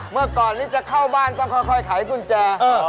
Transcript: เมื่อก่อนนี้จะเข้าบ้านต้องค่อยไขกุญแจ